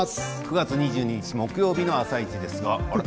９月２２日木曜日の「あさイチ」ですあれ？